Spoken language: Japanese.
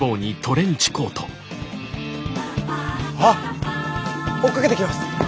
あっ追っかけてきます。